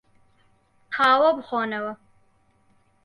قاوە بخۆنەوە.